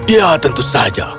ya tentu saja